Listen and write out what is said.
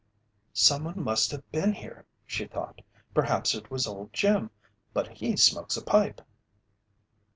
"Someone must have been here," she thought. "Perhaps it was Old Jim, but he smokes a pipe."